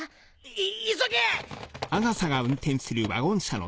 い急げ！